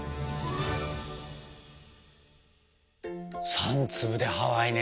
３粒でハワイね。